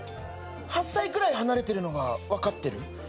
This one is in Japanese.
８歳ぐらい離れてるのは分かってる？